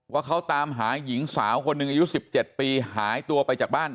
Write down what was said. ว่าเขาตามหาหญิงสาวคนหนึ่งอายุ๑๗ปีหายตัวไปจากบ้าน